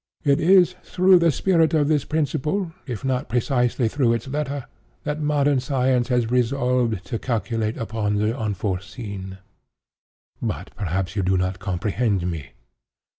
It is through the spirit of this principle, if not precisely through its letter, that modern science has resolved to calculate upon the unforeseen. But perhaps you do not comprehend me.